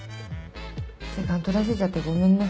時間取らせちゃってごめんね。